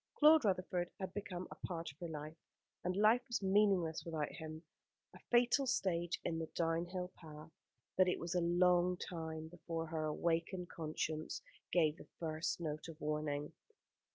Claude Rutherford had become a part of her life, and life was meaningless without him: a fatal stage in the downhill path, but it was a long time before her awakened conscience gave the first note of warning.